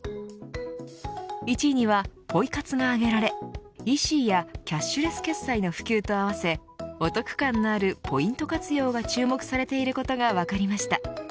１位にはポイ活が挙げられＥＣやキャッシュレス決済の普及と合わせお得感のあるポイント活用が注目されていることが分かりました。